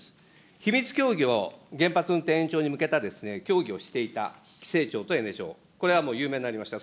秘密協議を原発運転延長に向けた協議をしていた規制庁とエネ庁、これはもう有名になりました。